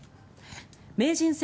名人戦